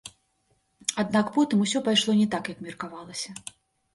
Аднак потым усё пайшло не так, як меркавалася.